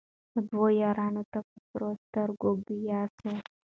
دوو یارانو ته په سرو سترګو ګویا سو